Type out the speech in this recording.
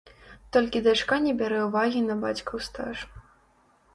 Толькі дачка не бярэ ўвагі на бацькаў стаж.